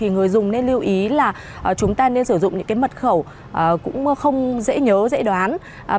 người dùng nên lưu ý là chúng ta nên sử dụng những mật khẩu cũng không dễ nhớ dễ đoán